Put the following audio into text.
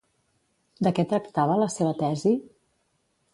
De què tractava la seva tesi?